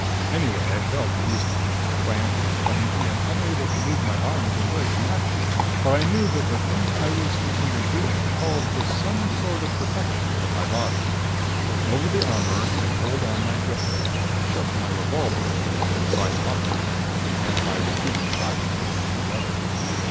Anyway, I felt beastly, clamped and clumsy and unable to move my arms and legs naturally. But I knew that the thing I was thinking of doing called for some sort of protection for my body. Over the armor I pulled on my dressing gown and shoved my revolver into one of the side pockets and my repeating flash light into the other.